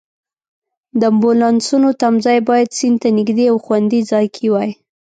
د امبولانسونو تمځای باید سیند ته نږدې او خوندي ځای کې وای.